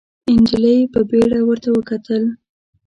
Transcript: نجلۍ په بيړه ورته وکتل.